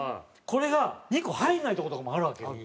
これが２個入んないとことかもあるわけよ。